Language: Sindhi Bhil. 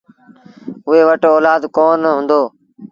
اُئي وٽ اولآد ڪونا هُݩدو۔